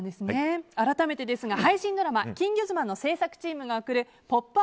改めてですが配信ドラマ「金魚妻」の制作チームが送る「ポップＵＰ！」